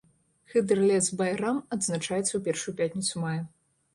Хыдырлез-байрам адзначаецца ў першую пятніцу мая.